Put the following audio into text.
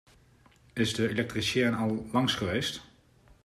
Is de elektricien al lang geweest?